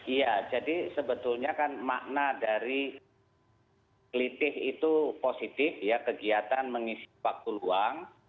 iya jadi sebetulnya kan makna dari kelitih itu positif ya kegiatan mengisi waktu luang